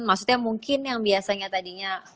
maksudnya mungkin yang biasanya tadinya